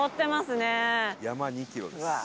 「山２キロです」